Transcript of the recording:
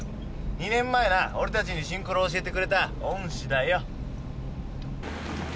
２年前な俺たちにシンクロ教えてくれた恩師だよ。